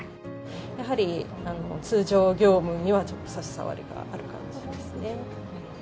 やはり通常業務にはちょっと差し障りがある感じですね。